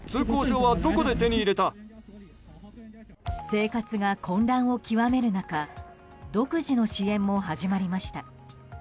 生活が混乱を極める中独自の支援も始まりました。